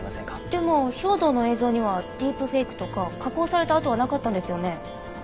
でも兵働の映像にはディープフェイクとか加工された跡はなかったんですよね？